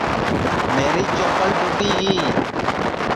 میری چوپل ٹوٹی گی